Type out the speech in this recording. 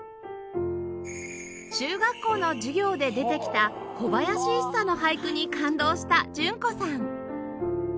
中学校の授業で出てきた小林一茶の俳句に感動した純子さん